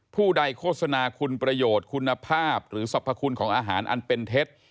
ผู้ใดโฆษณาคุณประโยชน์คุณภาพหรือสรรพคุณของอาหารอันเป็นเท็จ